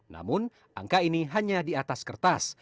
namun angka ini hanya di atas kertas